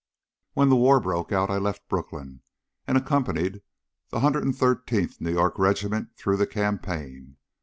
When the war broke out I left Brooklyn and accompanied the 113th New York Regiment through the campaign.